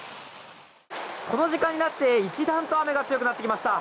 この時間になって一段と雨が強くなってきました。